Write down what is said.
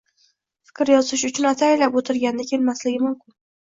fikr yozish uchun ataylab o‘tirganda kelmasligi mumkin.